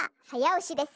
おしです。